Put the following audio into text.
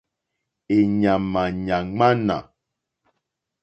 Èɲàmà yà ŋwánà.